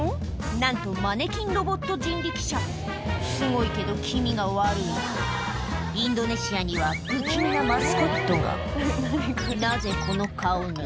何とマネキンロボット人力車すごいけど気味が悪いインドネシアには不気味なマスコットがなぜこの顔に？